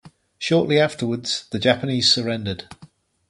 Shortly afterwards the Japanese surrendered.